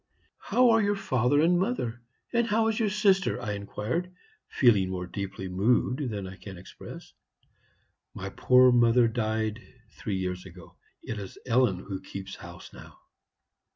"'How are your father and mother, and how is your sister?' I inquired, feeling more deeply moved than I can express. "'My poor mother died three years ago. It is Ellen who keeps house now.'